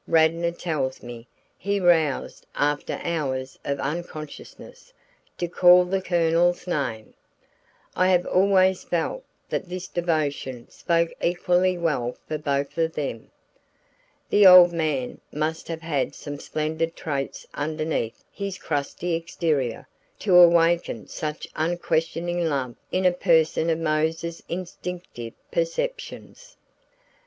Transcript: Radnor tells me, he roused after hours of unconsciousness, to call the Colonel's name. I have always felt that this devotion spoke equally well for both of them. The old man must have had some splendid traits underneath his crusty exterior to awaken such unquestioning love in a person of Mose's instinctive perceptions.